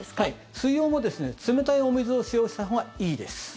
水温も冷たいお水を使用したほうがいいです。